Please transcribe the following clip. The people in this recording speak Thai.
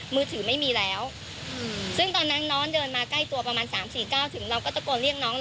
มือถือไม่มีแล้วซึ่งตอนนั้นน้องเดินมาใกล้ตัวประมาณ๓๔๙ถึงเราก็ตะโกนเรียกน้อง